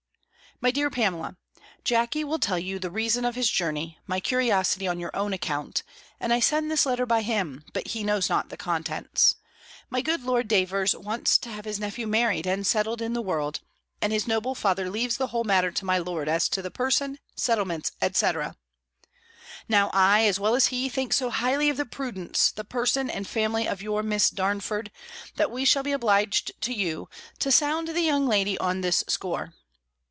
"MY DEAR PAMELA, "Jackey will tell you the reason of his journey, my curiosity on your own account; and I send this letter by him, but he knows not the contents. My good Lord Davers wants to have his nephew married, and settled in the world: and his noble father leaves the whole matter to my lord, as to the person, settlements, &c. Now I, as well as he, think so highly of the prudence, the person, and family of your Miss Darnford, that we shall be obliged to you, to sound the young lady on this score.